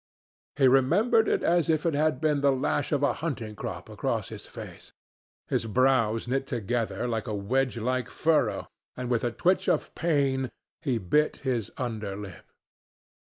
He remembered it as if it had been the lash of a hunting crop across his face. His brows knit together into a wedge like furrow, and with a twitch of pain he bit his underlip.